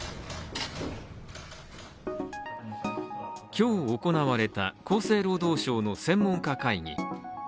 今日行われた厚生労働省の専門家会議。